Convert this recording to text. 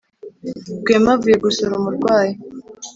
rwema avuye gusura umurwayi